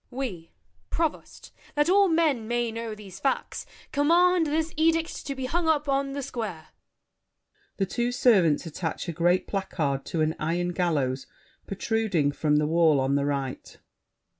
"We, provost, that all men may know these facts, Command this edict to be hung up on The Square." [The two Servants attach a great placard to an iron gallows protruding from the wall on the right.